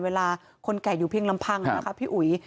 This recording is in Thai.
เวลาคนไก่อยู่เพียงลำพังค่ะพี่อุ๊ย